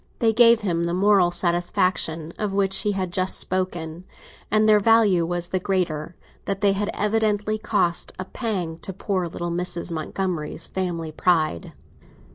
They gave him the moral satisfaction of which he had just spoken, and their value was the greater that they had evidently cost a pang to poor little Mrs. Montgomery's family pride.